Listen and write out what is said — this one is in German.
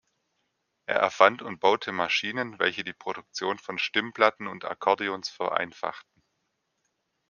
Er erfand und baute Maschinen, welche die Produktion von Stimmplatten und Akkordeons vereinfachten.